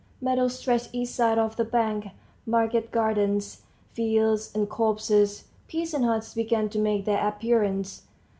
Meadows stretched each side of the bank, market gardens, fields, and copses; peasants' huts began to make their appearance.